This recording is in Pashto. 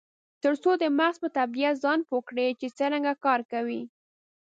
ترڅو د مغز په طبیعت ځان پوه کړي چې څرنګه کار کوي.